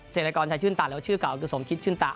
เสร็จละกรชัยชื่นต่าเหลือชื่อเก่าสมคิดชื่นต่า